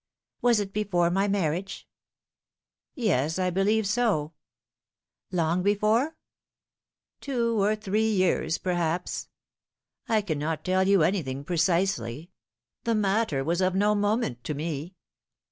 " Was it before my marriage ?"" Yes, I believe so." " Long before ?"" Two or three years, perhaps. I cannot tell you anything precisely. The matter was of no moment to me."